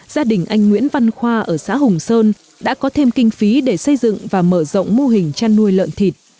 gia đình anh nguyễn văn khoa ở xã hùng sơn đã có thêm kinh phí để xây dựng và mở rộng mô hình chăn nuôi lợn thịt